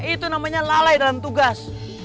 itu namanya lalai dalam tugas